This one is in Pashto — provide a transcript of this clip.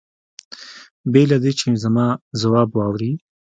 بې له دې چې زما ځواب واوري.